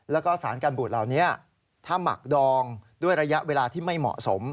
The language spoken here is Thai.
แล้วก็สารการบูดเหล่านี้ถ้าหมักดองด้วยระยะเวลาที่ไม่เหมาะสม